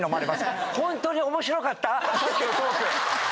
さっきのトーク。